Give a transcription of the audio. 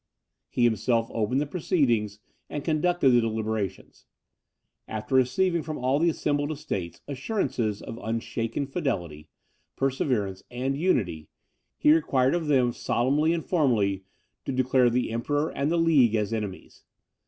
He himself opened the proceedings, and conducted the deliberations. After receiving from all the assembled estates assurances of unshaken fidelity, perseverance, and unity, he required of them solemnly and formally to declare the Emperor and the league as enemies.